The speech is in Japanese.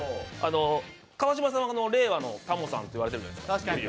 川島さんは令和のタモさんって言われてるじゃないですか。